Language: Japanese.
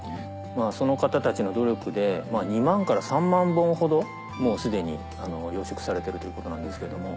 その方たちの努力で２万から３万本ほどもう既に養殖されているということなんですけれども。